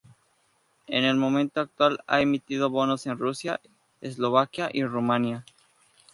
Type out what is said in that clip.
En el momento actual ha emitido bonos en Rusia, Eslovaquia y Rumanía.